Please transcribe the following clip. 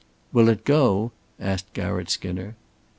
"Will it go?" asked Garratt Skinner.